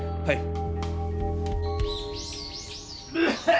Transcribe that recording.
はい。